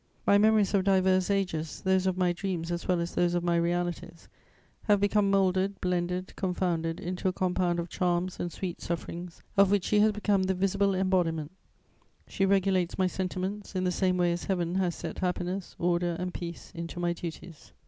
My memories of diverse ages, those of my dreams as well as those of my realities, have become moulded, blended, confounded into a compound of charms and sweet sufferings of which she has become the visible embodiment She regulates my sentiments, in the same way as Heaven has set happiness, order and peace into my duties.